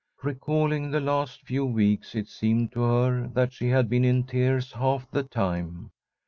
Recalling the last few weeks, it seemed to her that she had been in tears half the time.